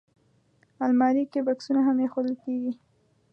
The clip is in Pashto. الماري کې بکسونه هم ایښودل کېږي